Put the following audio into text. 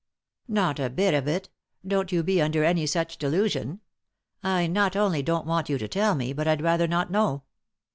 " Not a bit of it ; don't you be under any such delusion. I not only don't want you to tell me, but I'd rather not know.